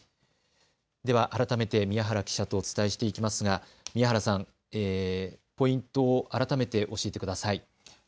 では改めて宮原記者とお伝えしていきますが宮原さん、ポイントを改めて教えてください。